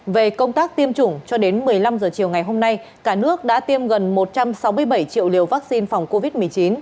về công tác tiêm chủng cho đến một mươi năm h chiều ngày hôm nay cả nước đã tiêm gần một trăm sáu mươi bảy triệu liều vaccine phòng covid một mươi chín